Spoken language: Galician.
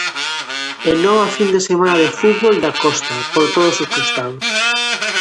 E nova fin de semana de fútbol da Costa por todos os costados.